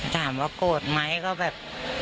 ถามว่าโกรธไหมก็แบบ